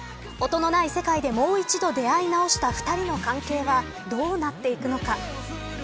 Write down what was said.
音のない世界でもう一度出会い直した２人の関係はどうなっていくのか。